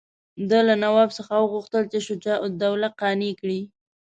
ده له نواب څخه وغوښتل چې شجاع الدوله قانع کړي.